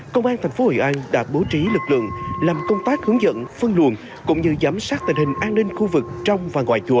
công an tp hội an đã bố trí lực lượng làm công tác hướng dẫn phân luồn cũng như giám sát tình hình an ninh khu vực trong và ngoài chùa